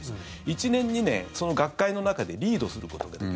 １年、２年、その学会の中でリードすることができる。